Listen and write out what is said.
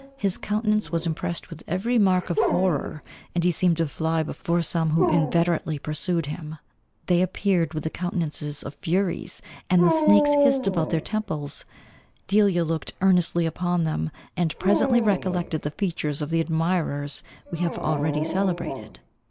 his countenance was impressed with every mark of horror, and he seemed to fly before some who inveterately pursued him. They appeared with the countenances of furies, and the snakes hissed around their temples. Delia looked earnestly upon them, and presently recollected the features of the admirers we have already celebrated.